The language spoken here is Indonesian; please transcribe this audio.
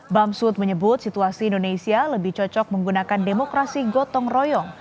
bamsud menyebut situasi indonesia lebih cocok menggunakan demokrasi gotong royong